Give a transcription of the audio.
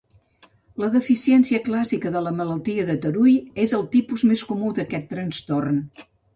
La deficiència clàssica de la malaltia de Tarui és el tipus més comú d'aquest trastorn.